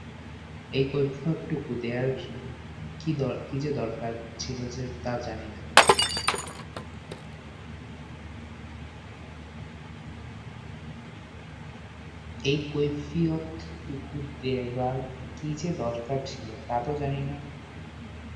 এই কৈফিয়ৎটুকু দেবার কী যে দরকার ছিল তা তো জানি নে।